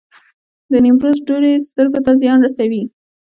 د نیمروز دوړې سترګو ته زیان رسوي؟